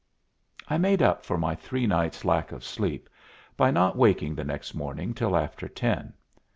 I made up for my three nights' lack of sleep by not waking the next morning till after ten.